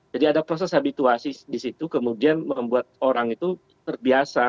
jadi ada proses habituasi di situ kemudian membuat orang itu terbiasa